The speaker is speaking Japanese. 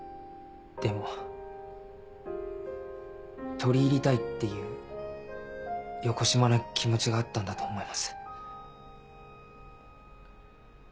でも取り入りたいっていうよこしまな気持ちがあったんだと思います。